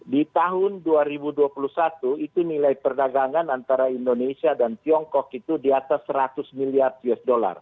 di tahun dua ribu dua puluh satu itu nilai perdagangan antara indonesia dan tiongkok itu di atas seratus miliar usd